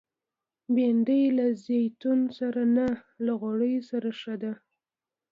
بېنډۍ له زیتونو سره نه، له غوړیو سره ښه ده